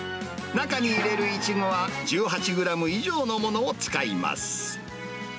中に入れるいちごは、１８グラム以上のものを使います。